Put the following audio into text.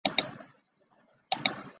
无线感测网路。